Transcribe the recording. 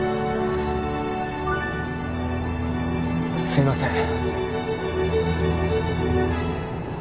すいません